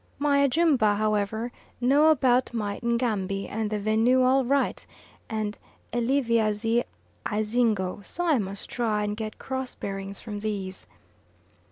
My Ajumba, however, know about my Ngambi and the Vinue all right and Eliva z'Ayzingo, so I must try and get cross bearings from these.